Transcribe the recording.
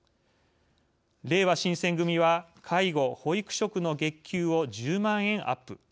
「れいわ新選組」は介護・保育職の月給を１０万円アップ。